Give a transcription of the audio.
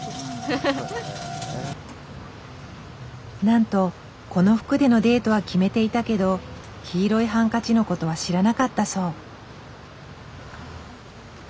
なんとこの服でのデートは決めていたけど黄色いハンカチのことは知らなかったそう。